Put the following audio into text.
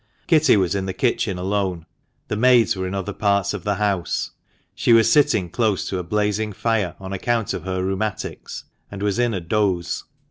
Kitty was in the kitchen alone. The maids were in other parts of the house. She was sitting close to a blazing fire on account of her " rheumatics," and was in a dose.